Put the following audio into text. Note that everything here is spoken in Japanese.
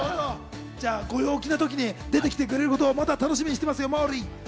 ご陽気な時に出てきてくれることを楽しみにしてますよ、モーリー。